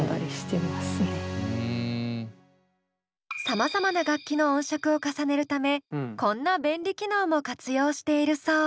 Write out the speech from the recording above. さまざまな楽器の音色を重ねるためこんな便利機能も活用しているそう。